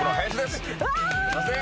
すいません。